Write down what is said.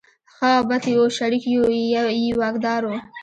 ښه او بد یې وو شریک یو یې واکدار و.